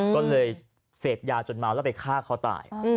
ก็เลยเสพยาจนเมาแล้วไปฆ่าเขาตาย